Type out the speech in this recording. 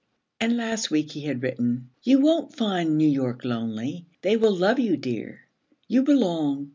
And last week he had written, 'You won't find New York lonely. They will love you, dear. You belong.